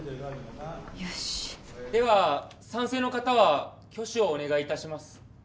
よしでは賛成の方は挙手をお願いいたします